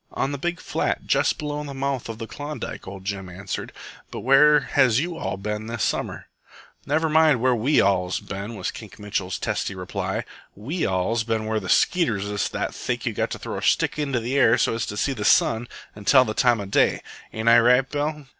"On the big flat jest below the mouth of Klondike," ol' Jim answered. "But where has you all ben this summer?" "Never you mind where we all's ben," was Kink Mitchell's testy reply. "We all's ben where the skeeters is that thick you've got to throw a stick into the air so as to see the sun and tell the time of day. Ain't I right, Bill?"